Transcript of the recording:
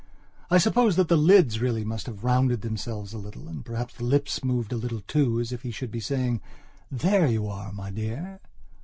I suppose that the lids really must have rounded themselves a little and perhaps the lips moved a little too, as if he should be saying: "There you are, my dear."